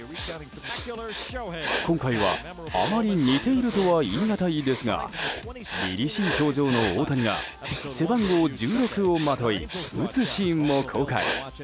今回は、あまり似ているとは言いがたいですが凛々しい表情の大谷が背番号１６をまとい打つシーンも公開。